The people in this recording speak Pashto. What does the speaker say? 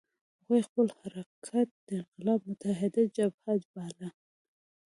هغوی خپل حرکت د انقلاب متحده جبهه باله.